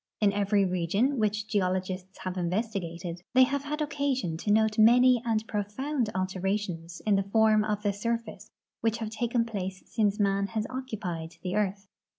In every region which geologists have investigated they have had occasion to note many and profound alterations in the form of the surface which have taken place since man has occupied the earth.